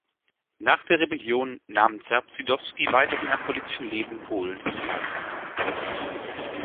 Nach der Rebellion nahm Zebrzydowski weiterhin am politischen Leben Polens teil.